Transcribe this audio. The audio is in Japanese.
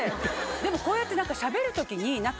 でもこうやって。